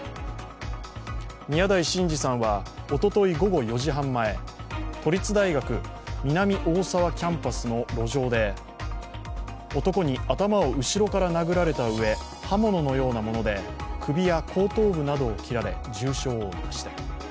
宮台真司さんはおととい午後４時半前、都立大学南大沢キャンパスの路上で男に頭を後ろから殴られたうえ、刃物のようなもので首や後頭部などを切られ、重傷を負いました。